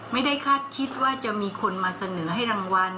ไม่ได้คาดคิดว่าจะมีคนมาเสนอให้รางวัล